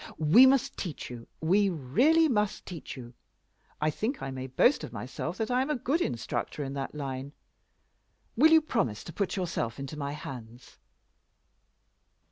"We must teach you; we really must teach you. I think I may boast of myself that I am a good instructor in that line. Will you promise to put yourself into my hands?"